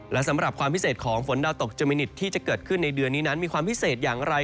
และสำหรับความพิเศษของฝนดาวตกเจมินิตที่จะเกิดขึ้นในเดือนนี้นั้นมีความพิเศษอย่างไร